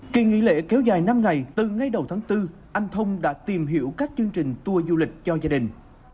kỳ nghỉ lễ kéo dài năm ngày từ ngay đầu tháng bốn anh thông đã tìm hiểu các chương trình tour du lịch cho gia đình